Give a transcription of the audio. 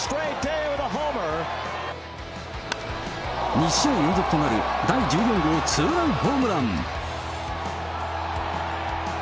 ２試合連続となる第１４号ツーランホームラン。